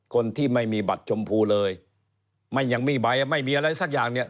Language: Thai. คนที่ไม่มีบัตรชมพูเลยยังไม่มีใบไม่มีอะไรสักอย่างนี้